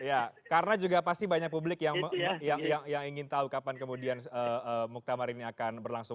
ya karena juga pasti banyak publik yang ingin tahu kapan kemudian muktamar ini akan berlangsung